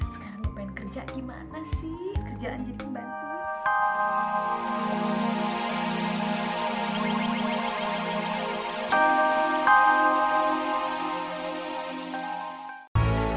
sekarang pengen kerja gimana sih kerjaan jadi pembantu